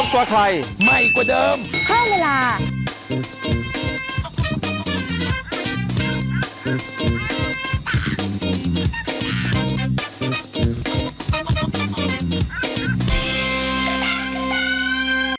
โปรดติดตามตอนต่อไป